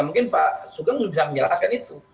mungkin pak sugeng sudah bisa menjelaskan itu